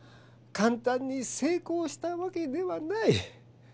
かんたんに成功したわけではない。